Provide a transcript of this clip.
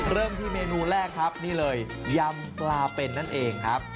เริ่มที่เมนูแรกครับนี่เลยยำปลาเป็นนั่นเองครับ